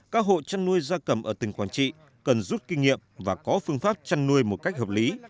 các hộ chăn nuôi gia cầm ở tỉnh quảng trị cần rút kinh nghiệm và có phương pháp chăn nuôi một cách hợp lý